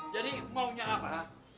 jadi maunya apa